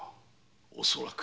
恐らく。